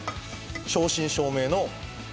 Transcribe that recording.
正真正銘の。